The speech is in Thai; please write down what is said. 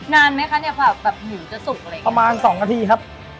นานไหมคะเนี่ยกว่าแบบหมูจะสุกอะไรอย่างเงี้ประมาณสองนาทีครับ